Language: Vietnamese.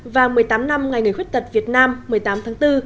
và một mươi tám năm ngày người khuyết tật việt nam một mươi tám tháng bốn